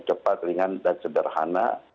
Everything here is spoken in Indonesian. cepat ringan dan sederhana